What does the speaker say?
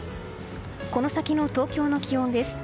この先の東京の気温です。